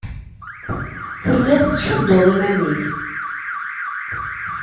Telliḍ tettḥudduḍ iman-nnek.